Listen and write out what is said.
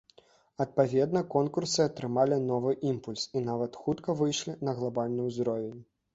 Адпаведна, конкурсы атрымалі новы імпульс, і нават хутка выйшлі на глабальны ўзровень.